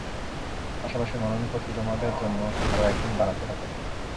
পাশাপাশি মনোনয়নপত্র জমা দেওয়ার জন্য আরও এক দিন বাড়াতে হবে।